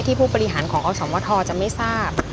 ผู้บริหารของอสมทจะไม่ทราบ